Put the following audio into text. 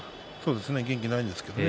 元気がないですけどね。